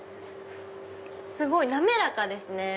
すごい滑らかですね。